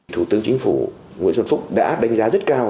thủ tướng chính phủ nguyễn xuân phúc đã đánh giá rất cao